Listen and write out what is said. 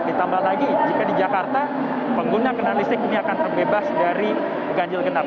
ditambah lagi jika di jakarta pengguna kendaraan listrik ini akan terbebas dari ganjil genap